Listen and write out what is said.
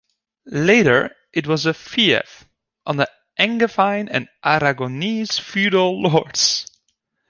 Later it was a fief under Angevine and Aragonese feudal lords.